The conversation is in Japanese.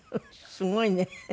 すごいね。